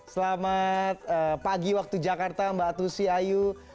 selamat pagi waktu jakarta mbak tusi ayu